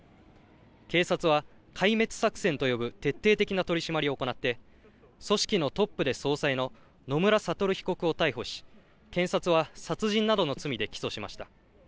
警察は、壊滅作戦と呼ぶ徹底的な取締りを行って、組織のトップで総裁の野村悟被告を逮捕し、検察は殺人などの罪で起訴しました。